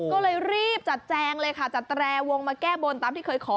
ก็เลยรีบจัดแจงเลยค่ะจัดแตรวงมาแก้บนตามที่เคยขอ